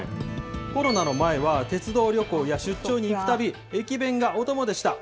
コロナの前は鉄道旅行や出張に行くたび、駅弁がお供でした。